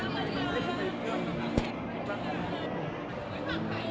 มันยอดทั้งประโยคเกิด